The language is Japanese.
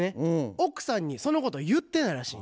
奥さんにそのこと言ってないらしい。